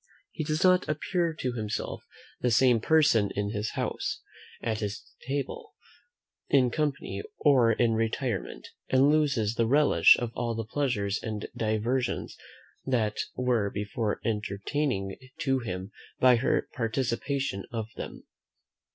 He does not appear to himself the same person in his house, at his table, in company, or in retirement; and loses the relish of all the pleasures and diversions that were before entertaining to him by her participation of them.